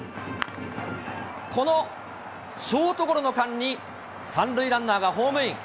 このショートゴロの間に３塁ランナーがホームイン。